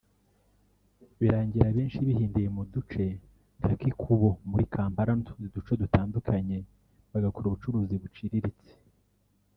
birangira abenshi bihindiye mu duce nka Kikuubo muri Kampala n’utundi duce dutandukanye bagakora ubucuruzi buciriritse